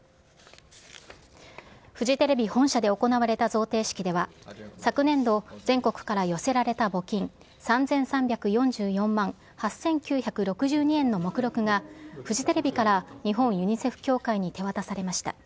フジテレビ本社で行われた贈呈式では、昨年度、全国から寄せられた募金３３４４万８９６２円の目録が、フジテレビから日本ユニセフ協会に手渡されました。